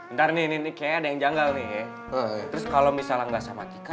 ntar nih kayaknya yang janggal nih terus kalau misalnya enggak sama kita